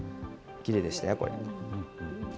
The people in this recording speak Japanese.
きれいでしたよ、これ。